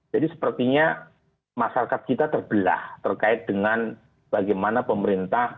sepertinya masyarakat kita terbelah terkait dengan bagaimana pemerintah